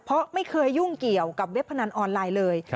เพราะไม่เคยยุ่งเกี่ยวกับเว็บพนันออนไลน์เลย